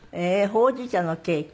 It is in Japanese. ほうじ茶のケーキ。